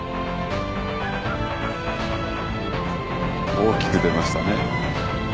大きく出ましたね。